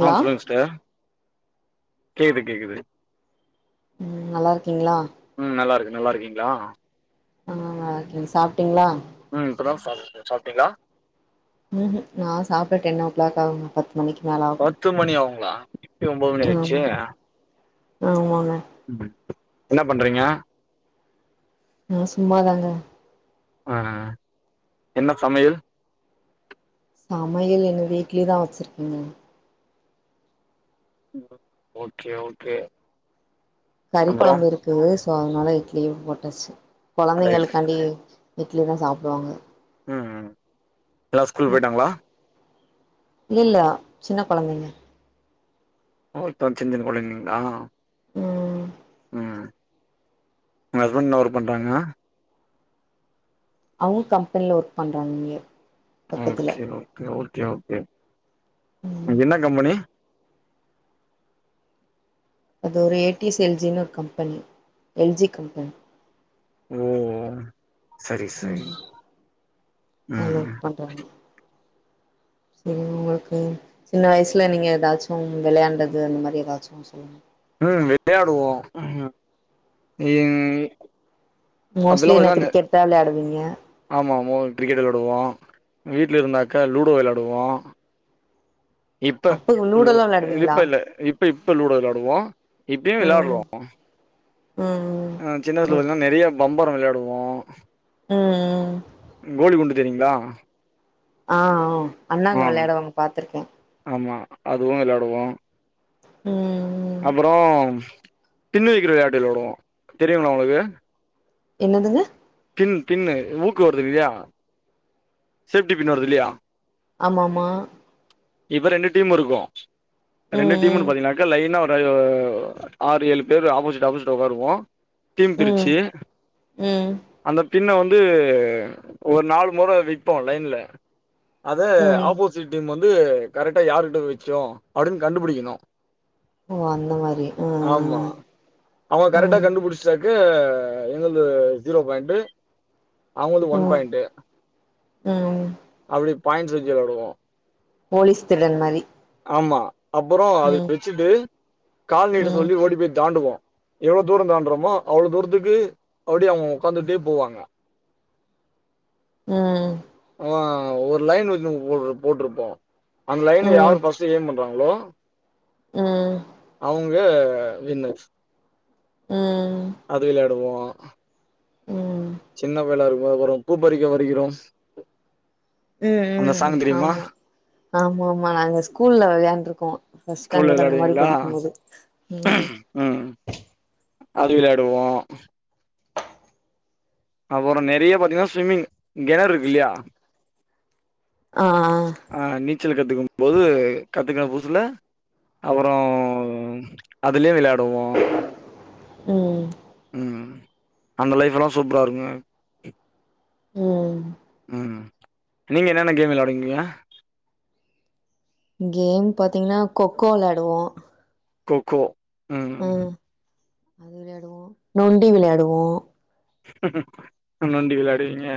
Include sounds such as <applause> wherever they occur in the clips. ஆ சொல்லுங்க ஸ்டர் கேது கேக்குது ம் நல்லார்க்கீங்ளா ம் நல்லார்க்கே நல்லார்க்கீங்ளா ஆ நல்லார்க்கேங் சாப்ட்டீங்ளா ம் இப்பதா சாப்டே சாப்ட்டீங்ளா ம் ம் நா சாப்ட டென் ஓக் கிளாக் ஆவுங்க பத்து மணிக்கி மேலே ஆகு த்து மணி ஆவுங்ளா இப்யே ஒம்போது மணி ஆமா ஆயிட்ச்சே ஆமாங்க ம் என்னா பண்றீங்க நா சும்மாதாங்க அ அ அ என்ன சமையல் சமையல் எங்க வீட்லியேதா வெச்சிருக்கேங்க ஓகே ஓகே கறி அப்றோ கொழம்பு இருக்குது சோ அதனால இட்லியு போட்டச்சு ரைட் கொழந்தைங்களுக்காண்டி இட்லிதா சாப்டுவாங்க ம் ம் எல்லா ஸ்கூல் போய்ட்டாங்களா இலில்லா சின்னக் கொழந்தைங்க ஓ இப்பதா சின் சின்ன கொழந்தைங்ளா ம் ம் உங்க ஹஸ்பண்ட் என்ன ஒர்க் பண்றாங்க அவுங்க கம்பெனில ஒர்க் பண்றாங் இங்யே ஓககே ஓகே ஓகே ஓகே ம் என்ன கம்பெனி அது ஒரு ஏ டி எஸ் எல் ஜினு ஒரு கம்பெனி எல் ஜியேக் கம்பெனி ஓ சரி ம் சரி ம் <inaudible> செரி உங்களுக்கு சின்ன வயசுல நீங்க எதாச்சு விளையாண்டது அந்த மாரி எதாச்சு சொல்லுங்க ம் விளயாடுவோ ம் <unintelligible> மோஸ்ட்லி அப்பெல்லா என்ன பாத்தீங்கன்னா கிரிக்கெட்தா விளயாடுவீங்க ஆமா மோ கிரிக்கெட் வெளாடுவோ வீட்ல இருந்தாக்கா லூடோ வெளாடுவோ இப்ப அப்ப லு லூடோல்லாம் விளையாடுவீங்களா இப்ப இல்ல இப்ப இப்போ லூடோ வெளாடுவோ இப்பயு ம் விளாடுறோ ம் அ சின்ன வயசுல ம் பத்தன நெறிய பம்பர வெளாயாடுவோ ம் கோலி குண்டு தெரியுங்களா ஆ ஆ அண்ணாங்க ஆ விளாடுவாங்க பாத்துருக்கே ஆமா அதுவு வெளாடுவோ ம் அப்புறோ தின்னு விக்குற விளாயாட்டு விளாடுவோ தெரியுங்ளா உங்களுக்கு என்னதுங்க பின் பின்னு ஊக்கு வருதுளயா சேப்டி பின் வருது இல்லயா ஆமாம்மா இப்ப ரெண்டு டீமு இருக்கு ரெண்டு டீமுனு ம் பாத்தீங்கன்னாக்க லைன்னா அ ஆறு ஏழு பேரு ஆப்போசிட் ஆப்போசிடா உக்காருவோ டீம் ம் பிரிச்சு ம் அந்த பின்ன வந்து ஒரு நாலு முற விப்போ லைன்ல அத ம் ஆப்போசிட் டீம் வந்து கரெக்டா யாருகிட்ட விச்சோ அப்டின்னு கண்டுபுடிக்கணு ஓ அந்த மாரி ஆமா ம் அவங்க ம் கரெக்டா கண்டுபுடிச் சாக்கு எங்கள்து ஜீரோ பாயிண்ட்டு அவங்களுக்கு ஒன் ம் பாயிண்ட்டு ம் அப்டி பாய்ன்ட்ஸ் வச்சு விளாடுவோ போலீஸ் திருடன் மாதி ஆமா அப்புற அது வச்சுட்டு கால்நீட்ட ம் சொல்லி ஓடி போய் தாண்டுவோ எவ்ளோ தூரோ தாண்டுறோமோ அவ்ளோ தூரத்துக்கு அப்டியே அவுங்க உக்காந்துட்டே போவாங்க ம் அ ஒரு லைன் <unintelligible> போ போட்டிருப்போ அந்த லைன் ம் யாரு ஃபர்ஸ்ட்டு ஏம் பண்றாங்களோ ம் அவுங்க வின்னு ம் ம் அது விளாடுவோ ம் சின்ன பயல இருக்குபோது அப்றோ பூப்பறிக்க வருகிறோம் ம் ம் ஆமா ஆமா ஆமா நாங்க ஸ்கூல்ல வெளாயாண்ருக்கோ ஃபர்ஸ்ட் ஸ்கூல்ல ஸ்டாண்டர்ட் அந்த மாரி விளையாடுவீங்களா படிக்கும் போது ம் ம் அது விளாடுவோ அப்புற நெறைய பாத்தீங்கன்னா ஸ்விம்மிங் கெணறு இருக்கில்லயா ஆ அ ஆ நீச்சல் கத்துக்கும் போது கத்துக்கண புதுசுல அப்புறோ அதுலே வெளயாடுவோ ம் ம் அந்த லைஃபெல்லா சூப்பரா இருக்கு ம் ம் நீங்க என்னென்ன கேம் வெளயாடுவீங்க கேம் பாத்தீங்கன்னா கொக்கோ விளையாடுவோ கோக்கோ ஆ ம் அது விளையாடுவோ நொண்டி விளையாடுவோ நொண்டி விளையாடுவீங்க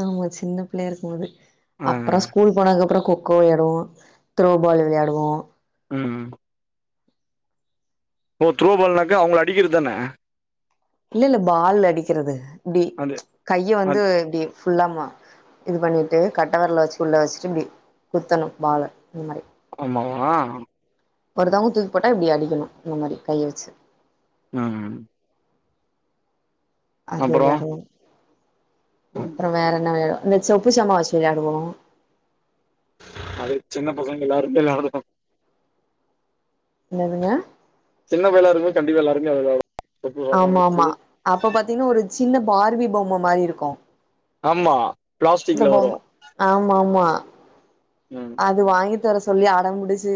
ஆமா சின்ன பிள்ளைய இருக்கும்போது ஆ அப்புற ஸ்கூல் போனதுக்கப்புற கொக்கோ வெளையாடுவோ த்ரோ பால் வெளையாடுவோ ம் ஓ த்ரோ பால்னாக்க அவங்கள அடிக்கிறதானே இல்ல இல்ல பால் அடிக்கிறது இப்டி அது கைய வந்து அத் இப்டி ஃபுல்லா மா இது பண்ணிட்டு கட்டவெரல வெச்சு உள்ளே வெச்சுட்டு இப்டி குத்தணு பால இது மாரி ஆமாவா ஒருதவங்க தூக்கி போட்டா இப்டி அடிக்கணு இந்த மாரி கைய வெச்சு ம் அது அப்புறம் விளையாடுவோ அப்புறோ வேற என்ன வே இந்த சொப்பு சாமா வெச்சு விளையாடுவோ அது சின்ன பசங்கள்ல எல்லாருமே நடந்துக்கு என்னதுங்க சின்ன பயலா இருந்து கண்டிப்பா எல்லாருமே அது கா ஆமா ஆமா அப்ப பாத்தீங்கன்னா ஒரு சின்ன பார்வி பொம்ம மாரி இருக்கு ஆமா இந்த பிளாஸ்டிக்ல வரு பொம் ஆமா ஆமா ம் அது வாங்கி தர சொல்லி அட புடிச்சு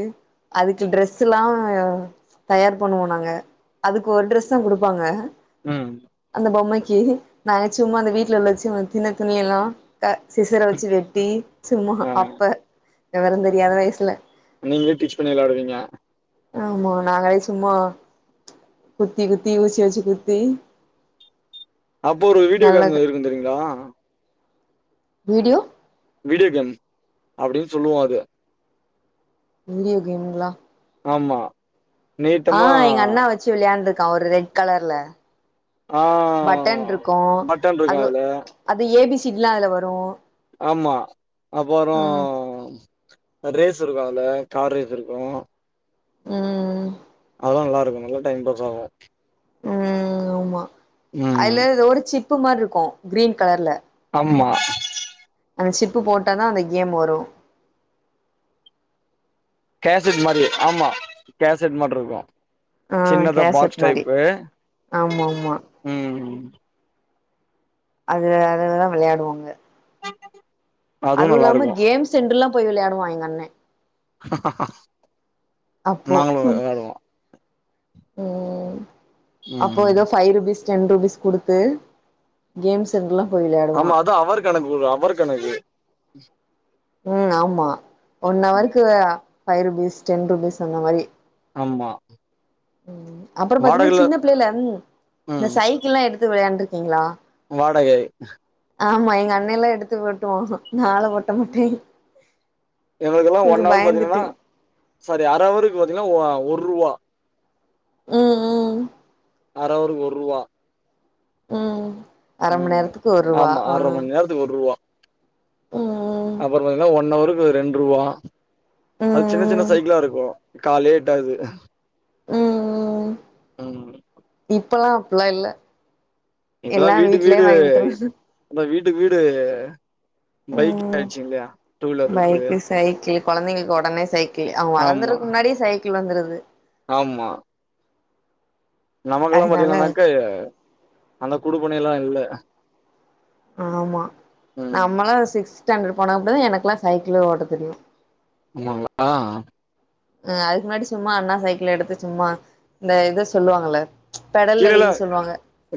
அதுக்கு ட்ரெஸ் எல்லா தயார் பண்ணுவோ நாங்க அதுக்கு ஒரு ட்ரெஸ் தா குடுப்பாங்க ம் அந்த பொம்மைக்கு நாங்க சும்மா அந்த வீட்டுல உள்ள வெச்சு சின்ன துணி எல்லா க சிசர வெச்சு வெட்டி சும்மா ஆ அப்ப வெவர தெரியாத வயசுல நீங்களே டிச் பன்னி விளையாடுவீங்க ஆமா நாங்களே சும்மா குத்தி குத்தி ஊசிய வெச்சு குத்தி அப்போ ஒரு வீடியோ நல்ல கேம் இருக்கு தெரியுங்கலா வீடியோ வீடியோ கேம் அப்டின் சொல்லுவோ அத வீடியோ கேமுங்களா ஆமா ஆ நீட்டமா எங்க அண்ணா வெச்சு வெளையாண்டுக்கா ஒரு ரெட் கலர்ல ஆ பட்டன்ருக்கு பட்டன் இருக்கு அது அதுல அது ஏ பி சி டில்லா அதுல வரு ஆமா அப்பறோ ம் ரேஸ் இருக்கு அதுல கார் ரேஸ் இருக்கு ம் அப்பதா நல்லா இருக்கு நல்லா டைம் பாஸ் ஆகு ம் ஆமா ம் அதுல ஒரு சிப்பு மாரி இருக்கு கிரீன் கலர்ல ஆமா அந்த சிப்பு போட்டா தா அந்த கேம் வரு கேசட் மாரி ஆமா கேசட் மாட்ருக்கு ஆ சின்னதா கேசட் பாக்ஸ் மாரி டைப்பு ஆமா ஆமா ம் அது அதுலதா வெளையாடுவாங்க அதுவு நல்லா இல்லாம இருக்கு கேம் சென்டர்ல்லா போய் விளையாடுவா எங்க அண்ண அப்போ நாங்களு ம் வெளாடுவோ அப்போ ம் ஏதோ ஃபைவ் ருபீஸ் டென் ருபீஸ் குடுத்து கேம் சென்டர்ல போய் விளையாடுவா இல்ல எனக்கு ஒரு அவர் கணக்கு ம் ஆமா ஒன் அவருக்கு ஃபைவ் ருபீஸ் டென் ருபீஸ் அந்த மாரி ஆமா ம் அப்பறம் பாத்திங்கனா வாடகைல சின்ன புள்ளைல இந்த ம் சை க்கிள்லா எடுத்து விளையாண்டுருக்கிங்ளா வாடகை ஆமா எங்க அண்ணேலா எடுத்து ஓட்டுவா நாலா ஓட்ட மாட்டே எங்ளுக்கெல்லா ஒன் எனக்கு ஹவர் பாத்திங்கன்னா பயந்துட்டு சாரி அர அவர்க்கு பாத்திங்கன்னா அ ஒர்ருவா ம் ம் அர அவருக்கு ஒர்ருவா ம் அர மண் ம் நேரத்துக்கு ஒரு ரூவா ஆமா ஆ அரை ம் மண் நேரத்துக்கு ஒர்ருவா ம் அப்பறம் பாத்திங்கனா ஒன் அவருக்கு ரெண்ட்ருவா அது சின்ன சின்ன ம் சைக்கிளா இருக்கு காலே எட்டாது ம் ம் ம் இப்பலா அப்பிலா இல்ல இப்பலா எல்லா வீட்டுக்கு வீட்லயே வீடு வாங்கி குடுத்துருவாங்க இப்ப வீட்டுக்கு வீடு பைக் ம் ஆய்ச்சி இல்லியா டூ வீலர்ருக்கு பைக்கு சைக்கிள் கொழந்தைங்களுக்கு ஒடனே சைக்கிளு அவங்க ஆமா வளந்துறதக்கு முன்னாடியே சைக்கிள் வந்துருது ஆமா நமக்கெல்லா அதனால பாத்திங்கனாக்க அந்த குடுப்பினைலா இல்ல ஆமா ம் நம்மலா சிக்ஸ்த் ஸ்டாண்டர்ட் போனப்படதா எனக்குலா சைக்கிளே ஓட்ட தெரியு அம்மா இங்க வா ஆ அதுக்கு முன்னாடி சும்மா அண்ணா சைக்கிள் எடுத்து சும்மா இந்த இது சொல்லுவாங்கல பெடல் அடி கீழல்லா சொல்லுவாங்க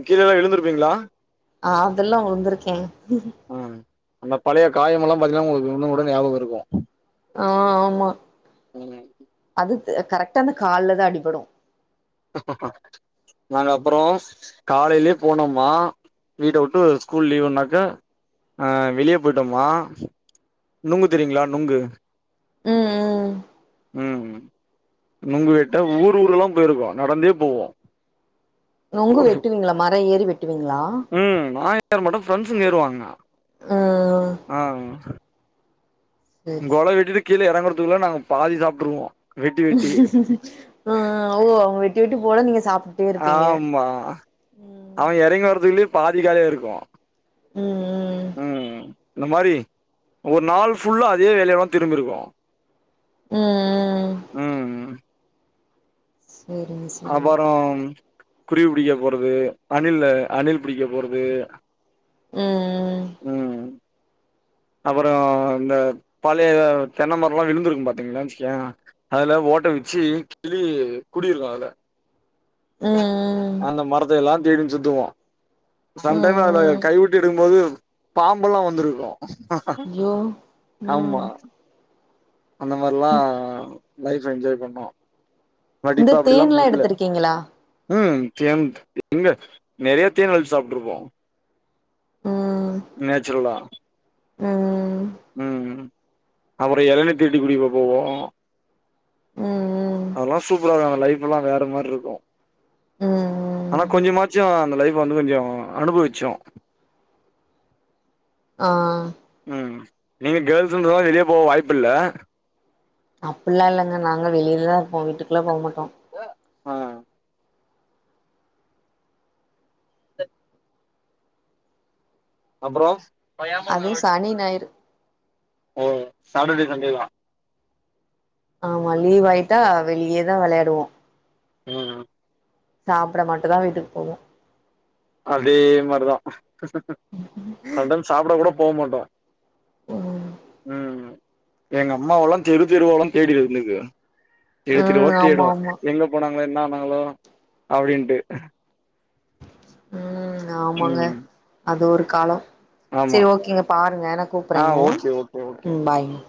கீழல்லா விழுந்திருப்பீங்களா அதெல்லா உழுந்திருக்கே ஆ அந்த பழைய காயமெல்லா பாத்திங்னா உங்களுக்கு இன்னு கூட ஞாபக இருக்கு ஆ ஆமா ம் அதுத் கரெக்டா அந்த கால்ல தா அடிபடு நாங்க அப்புறோ காலைலயே போனோம்மா வீட வுட்டு ஸ்கூல் லீவுனாக்க ஆ வெளியே போயிட்டோமா நுங்கு தெரியுங்லா நுங்கு ம் ம் ம் நுங்கு வெட்ட ஊர் ஊரலா போயிருக்கோ நடந்தே போவோ நொங்கு வெட்டுவிங்லா மர ஏறி வெட்டுவிங்லா ம் நா ஏற மாட்டே ஃப்ரெண்சுங்க ஏறுவாங்க ஆ நா ஏற மாட்ட சேரி கொலை சேரி வெட்டிட்டு கீழ எறங்குறதுக்குல நாங்க பாதி சாப்ட்ருவோ வெட்டி வெட்டி ஓ அவுங்க அவுங்க வெட்டி வெட்டி போட நீங்க சாப்பு ஆமா அவ எறங்கி வரதுக்குள்ளயே பாதி காலியாயிருக்கு ம் ம் ம் இந்த மாரி ஒரு நாள் ஃபுல்லா அதே வேலயாவு திரும்பிருக்கோ ம் ம் சேரி மிஸ் அப்பற குருவி புடிக்க போறது அணில்லு அணில் புடிக்க போறது ம் ம் அப்பற இந்த பழய தென்னமரல்லா விலுந்திருக்கு பாத்தீங்களா வேச்கியா அதுல ஓட்ட வச்சி கிளி குடியிருக்கு அதுல ம் ம் அந்த மரத்த எல்லா தேடினு சுத்துவோ ம் சம்டைம் அதுல ம் கைவுட்டு எடுக்கு போது பாம்பெல்லா வந்திருக்கு ஆ ஐயோ ஆமா ம் அந்த மாரில்லா லைஃவ என்ஜாய் பண்ணோ பட் இந்த இப்ப அப்டிலா தேன் லா முடில எடுத்திருக்கீங்களா ம் தேம்த் எங்க நெறைய தேன்லா எடுத் சாப்ட்ருபோ ம் நேச்ரல்லா ம் ம் அப்பற இளநீ திருடி குடிக்க போவோ ம் ம் அதெலா சூப்பரா இருக்கு அந்த லைஃப் லா வேற மாரி இருக்கு ம் ஆனா ம் கொஞ்சமாச்சு அந்த லைஃப் வந்து கொஞ்சோ அனுபவிச்சோ ஆ ம் நீங்க கேல்ஸ்ன்றதால வெளிய போவ வாய்ப்பு இல்ல அப்டில்லா இல்லங்க நாங்க வெளியிலதா இருப்போ வீட்டுக்கு எல்லா போக மாட்டோ ஆ <inaudible> அப்றோ அதுவு சனி ஞாயிறு ஓ சாட்டர்டே சண்டே தா ஆமா லீவ் ஆயிட்டா வெளியேதா வெளையாடுவோ ம் சாப்ட மட்டு தா வீட்டுக்கு போவோ அதே மாரிதா ரெண்டாவது சாப்ட கூட போ மாட்டோ ம் ம் எங்க அம்மாவெல்லா தெரு தெருவால தேடி வந்து இருக்கு தெரு தெருவா ம் ஆமா தேடும் ஆமா எங்க அப் போனாங்களே என்ன ஆனாங்களோ அப்டின்ட்டு ம் ஆமாங்க ம். அது ஒரு காலோ ஆமா. சேரிங்க ஓகேங்க பாருங்க நா ஆ கூப்றேங்க ஓகே, ஓகே, ஓகே. ம் பாய்ங்க